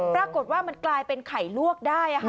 ปรากฏว่ามันกลายเป็นไข่ลวกได้